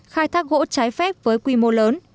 khai thác gỗ trái phép với quy mô lớn